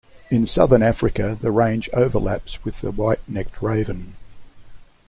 In southern Africa the range overlaps with the white-necked raven.